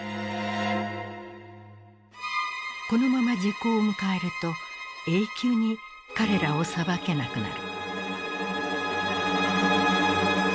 このまま時効を迎えると永久に彼らを裁けなくなる。